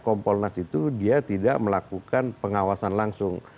kompolnas itu dia tidak melakukan pengawasan langsung